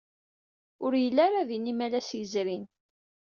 Ur yelli ara din imalas yezrin.